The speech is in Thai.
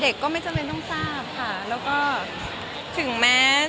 เด็กก็ไม่อย่างต้องทำสิ่งที่สามารถที่เราต้องทำ